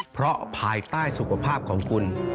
เพราะภายใต้สุขภาพของคุณ